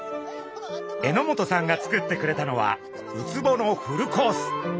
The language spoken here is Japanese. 榎本さんが作ってくれたのはウツボのフルコース。